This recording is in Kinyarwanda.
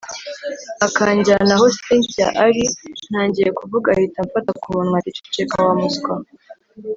akanjyana aho cyntia ari, ntangiye kuvuga ahita amfata kumunwa ati ceceka wamuswa